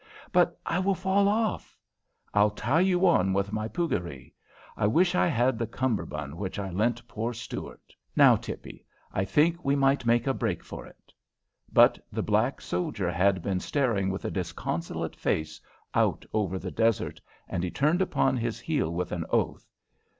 "But I will fall off." "I'll tie you on with my puggaree. I wish I had the cummerbund which I lent poor Stuart. Now, Tippy, I think we might make a break for it!" But the black soldier had been staring with a disconsolate face out over the desert, and he turned upon his heel with an oath.